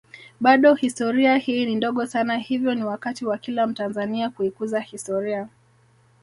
Bado historia hii ni ndogo sana hivyo ni wakati wa kila mtanzania kuikuza historia